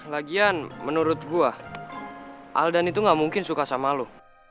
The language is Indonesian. lagian menurut gue alden itu nggak mungkin suka sama lo